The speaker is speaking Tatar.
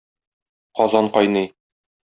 Казан кайный.